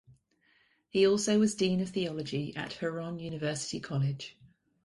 He also was Dean of Theology at Huron University College.